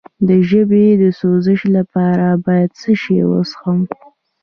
د ژبې د سوزش لپاره باید څه شی وڅښم؟